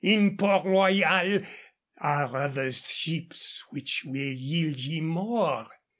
In Port Royal are other ships which will yield ye more.